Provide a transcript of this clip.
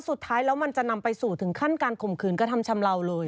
สุดท้ายแล้วมันจะนำไปสู่ถึงขั้นการข่มขืนกระทำชำเลาเลย